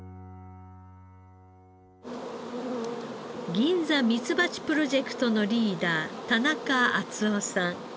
銀座ミツバチプロジェクトのリーダー田中淳夫さん。